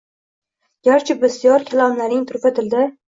Garchi bisyor kalomlaring turfa tilda